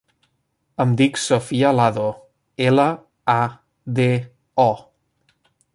Em dic Sophia Lado: ela, a, de, o.